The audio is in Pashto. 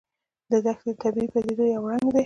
دښتې د طبیعي پدیدو یو رنګ دی.